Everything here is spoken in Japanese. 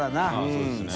そうですね。